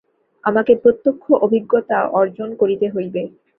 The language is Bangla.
আমাকে প্রত্যক্ষ অভিজ্ঞতা অর্জন করিতে হইবে।